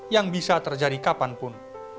yang bisa terjadi kapanpun